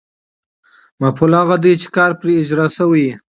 مفعول هغه دئ، چي کار پر اجراء سوی يي.